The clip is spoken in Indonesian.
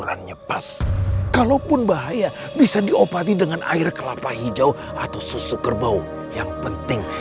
menyebas kalaupun bahaya bisa diopati dengan air kelapa hijau atau susu kerbau yang penting